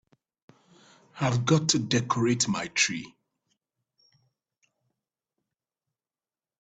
I've got to decorate my tree.